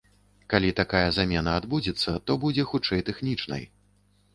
Калі такая замена адбудзецца, то будзе хутчэй тэхнічнай.